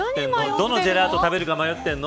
どのジェラート食べるか迷ってるの。